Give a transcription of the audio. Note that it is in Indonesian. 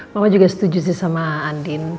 mama juga setuju sih sama andin